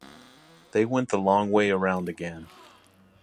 They went the long way around again.